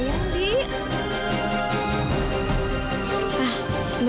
bentar ya zal